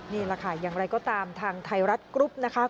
นี่แหละค่ะอย่างไรก็ตามทางไทยรัฐกรุ๊ปนะคะ